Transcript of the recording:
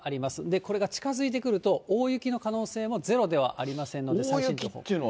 これが近づいてくると、大雪の可能性もゼロではありませんので、最新情報を。